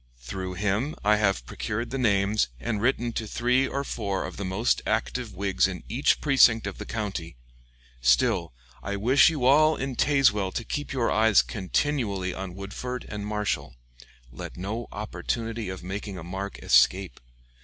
Through him I have procured the names and written to three or four of the most active Whigs in each precinct of the county. Still, I wish you all in Tazewell to keep your eyes continually on Woodford and Marshall. Let no opportunity of making a mark escape.